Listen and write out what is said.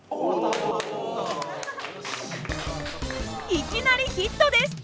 いきなりヒットです。